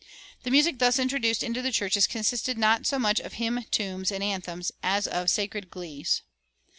The music thus introduced into the churches consisted not so much of hymn tunes and anthems as of "sacred glees."